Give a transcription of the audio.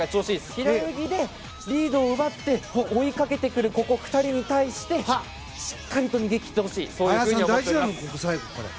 平泳ぎでリードを奪って追いかけてくる２人に対してしっかりと逃げ切ってほしいと思っています。